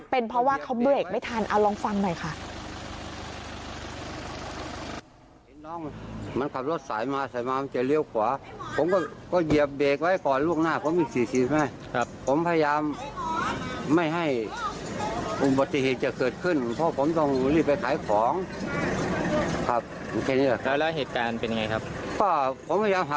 เป็นเพราะว่าเขาเบรกไม่ทันเอาลองฟังหน่อยค่ะ